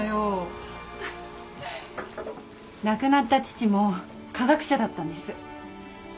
亡くなった父も科学者だったんです